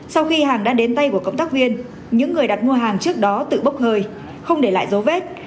sau khi hàng đã đến tay của cộng tác viên những người đặt mua hàng trước đó tự bốc hơi không để lại dấu vết